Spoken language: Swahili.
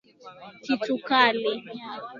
Kitu kali.